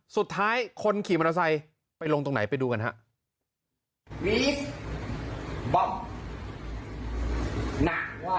สุดท้ายคนขี่มอเตอร์ไซค์ไปลงตรงไหนไปดูกันครับ